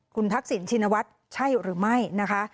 คุณทักษิณชินวัฒน์ใช่หรือไม่นะคะ